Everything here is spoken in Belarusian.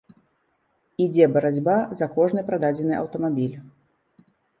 Ідзе барацьба за кожны прададзены аўтамабіль.